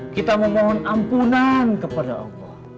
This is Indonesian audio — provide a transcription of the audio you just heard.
kita memohon ampunan kepada allah